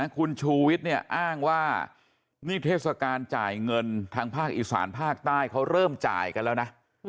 คุณชูวิทย์เนี่ยอ้างว่านี่เทศกาลจ่ายเงินทางภาคอีสานภาคใต้เขาเริ่มจ่ายกันแล้วนะ